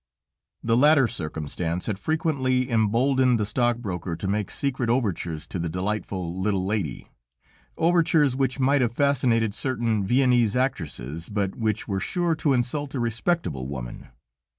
This latter circumstance had frequently emboldened the stockbroker to make secret overtures to the delightful little lady; overtures which might have fascinated certain Viennese actresses, but which were sure to insult a respectable woman.